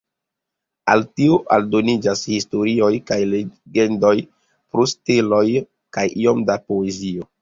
Al tio aldoniĝas historioj kaj legendoj pro steloj kaj iom da poezio.